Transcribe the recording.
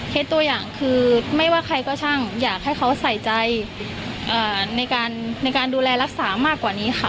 ตัวอย่างคือไม่ว่าใครก็ช่างอยากให้เขาใส่ใจในการดูแลรักษามากกว่านี้ค่ะ